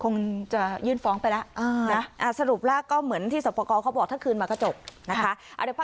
คงจะยื่นฟ้องไปแล้วนะสรุปแล้วก็เหมือนที่สอบประกอบเขาบอกถ้าคืนมาก็จบนะคะ